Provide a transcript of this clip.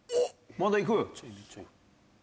まだいく？